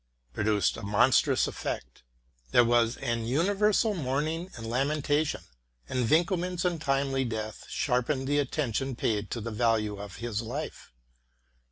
produced a monstrous effect: there was an universal mourning and lamentation, and Winckelmann's untimely death sharpened the attention paid to the value of his life.